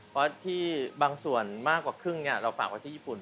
เพราะที่บางส่วนมากกว่าครึ่งเราฝากไว้ที่ญี่ปุ่น